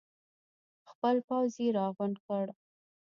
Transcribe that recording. خپل پوځ یې راغونډ کړ.